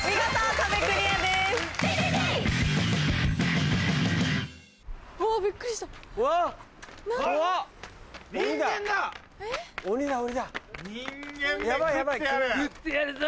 食ってやるぞ！